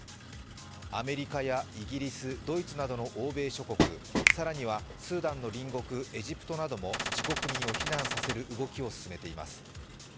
アメリカやイギリス、ドイツなどの欧米諸国更にはスーダンの隣国、エジプトなども自国民を避難させる動きを進めています。